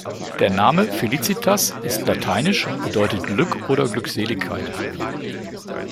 Der Name Felizitas ist lateinisch und bedeutet Glück oder Glückseligkeit.